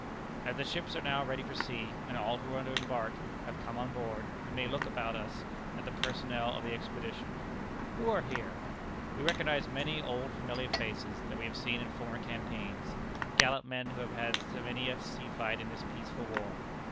As the ships are now ready for sea, and all who are to embark have come on board, we may look about us at the personnel of the expedition. Who are here? We recognize many old familiar faces, that we have seen in former campaigns gallant men who have had many a sea fight in this peaceful war.